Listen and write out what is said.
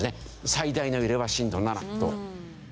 最大の揺れは震度７と。